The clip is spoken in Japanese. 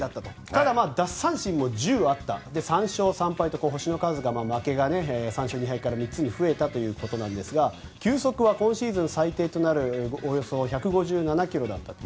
ただ、奪三振も１０あって３勝３敗と星の数、負けが３勝２敗から３つに増えましたが球速は今シーズン最低となるおよそ１５７キロだったと。